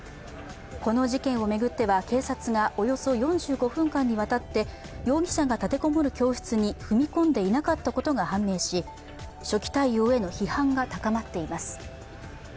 この事件を巡っては、警察がおよそ４５分間にわたって容疑者が立て籠もる教室に踏み込んでいなかったことが判明し、初期対応への批判が高まっています。